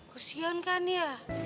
kasihan kan ya